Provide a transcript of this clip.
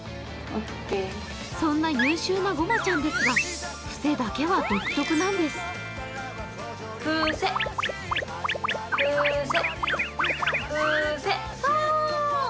そんな優秀なごまちゃんですがふせだけは独特なんですて。